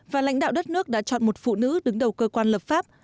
và lãnh đạo đất nước đã chọn một phụ nữ đứng đầu cơ quan lập pháp